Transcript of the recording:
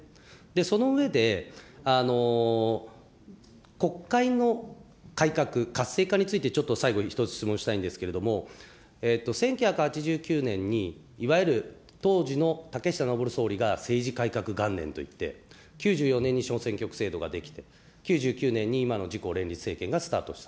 その上で、国会の改革、活性化について、ちょっと最後、１つ質問したいんですけれども、１９８９年に、いわゆる当時の竹下登総理が政治改革元年といって、９４年に小選挙区制度ができ、９９年に今の自公連立政権がスタートした。